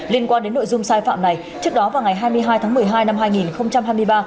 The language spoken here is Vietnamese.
liên quan đến nội dung sai phạm này trước đó vào ngày hai mươi hai tháng một mươi hai năm hai nghìn hai mươi ba